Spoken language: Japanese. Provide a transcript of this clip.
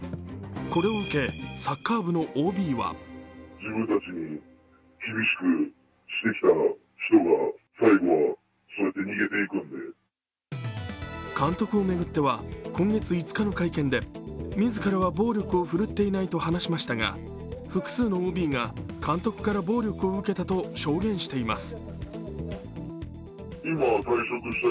これを受け、サッカー部のＯＢは監督を巡っては、今月５日の会見で自らは暴力を振るっていないと話しましたが複数のＯＢが監督から暴力を受けたと証言しています。